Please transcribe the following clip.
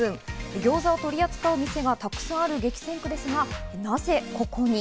餃子を取り扱う店がたくさんある激戦区ですが、なぜここに？